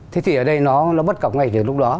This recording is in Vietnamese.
thế thì ở đây nó bất cập ngay từ lúc đó